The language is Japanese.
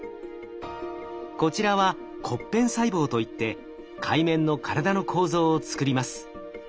こちらは骨片細胞といってカイメンの体の構造をつくります。